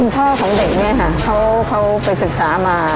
พ่อของเด็กเนี่ยค่ะเขาไปศึกษามา